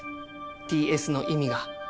Ｔ・Ｓの意味が。